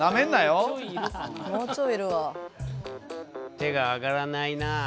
手が挙がらないなあ。